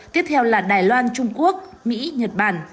tiếp theo là đài loan trung quốc mỹ nhật bản